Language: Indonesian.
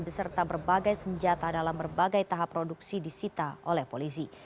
beserta berbagai senjata dalam berbagai tahap produksi disita oleh polisi